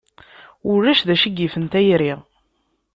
Ulac d acu yifen tayri.